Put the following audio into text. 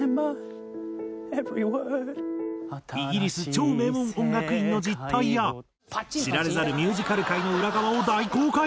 イギリス超名門音楽院の実態や知られざるミュージカル界の裏側を大公開！